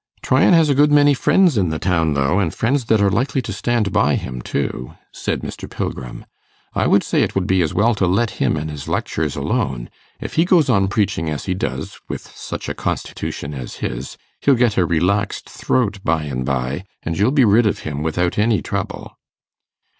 'Tryan has a good many friends in the town, though, and friends that are likely to stand by him too,' said Mr. Pilgrim. 'I should say it would be as well to let him and his lectures alone. If he goes on preaching as he does, with such a constitution as his, he'll get a relaxed throat by and by, and you'll be rid of him without any trouble.